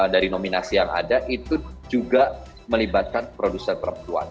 dari nominasi yang ada itu juga melibatkan produser perempuan